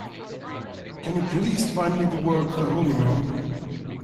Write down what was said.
Can you please find me the work, The Holy Man?